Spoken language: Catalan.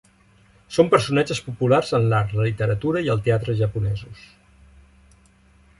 Són personatges populars en l'art, la literatura i el teatre japonesos.